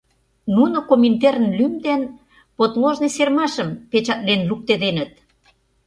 Нуно Коминтерн лӱм дене подложный серымашым печатлен луктеденыт.